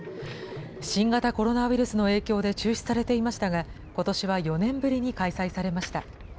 新型コロナウイルスの影響で中止されていましたが、ことしは４年ぶりに開催されました。